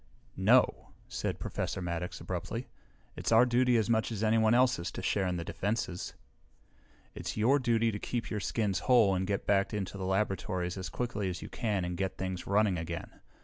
"No," said Professor Maddox abruptly. "It's our duty as much as anyone else's to share in the defenses." "It's your duty to keep your skins whole and get back into the laboratories as quickly as you can and get things running again!